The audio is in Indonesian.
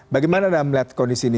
bagaimana anda melihat kondisi ini